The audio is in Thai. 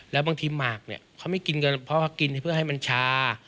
แล้วบางทีหมากเนี่ยเขาไม่กินเงินเพราะเขากินเพื่อให้มันชา